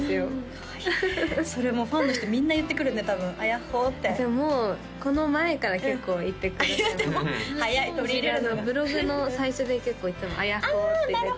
かわいいそれもうファンの人みんな言ってくるね多分「あやっほー」ってもうこの前から結構言ってくださいます早い取り入れるのがブログの最初で結構いっつも「あやっほー」って入れてるのであ